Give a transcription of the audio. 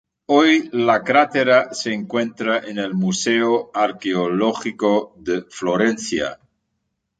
Hoy la crátera se encuentra en el Museo Arqueológico de Florencia.